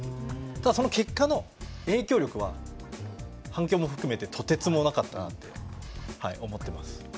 ただ、その結果の影響力は反響も含めてとてつもなかったなと思ってます。